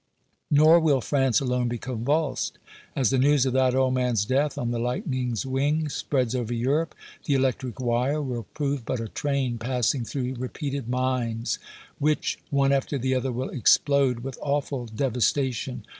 Nor will France alone be convulsed. As the news of that old man's death, on the lightning's wing, spreads over Europe, the electric wire will prove but a train passing through repeated mines, which, one after the other, will explode with awful devastation.